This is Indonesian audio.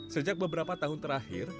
sejak beberapa tahun terakhir